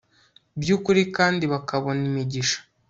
by ukuri kandi bakabona imigisha